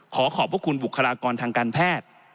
ขอขอบพระคุณบุคลากรทางการแพทย์